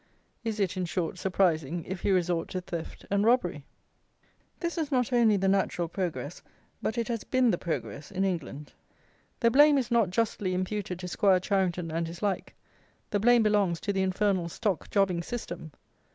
Is it, in short, surprising, if he resort to theft and robbery? This is not only the natural progress, but it has been the progress in England. The blame is not justly imputed to 'Squire Charington and his like: the blame belongs to the infernal stock jobbing system.